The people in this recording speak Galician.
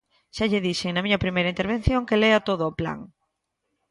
Xa lle dixen na miña primeira intervención que lea todo o plan.